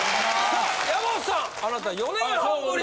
さあ山本さんあなた４年半ぶり？